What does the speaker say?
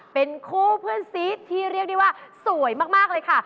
เป็นคู่เพื่อนซีสที่เรียกได้ว่าสวยมากเลยค่ะ